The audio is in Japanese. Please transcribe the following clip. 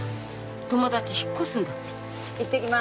友達引っ越すんだって。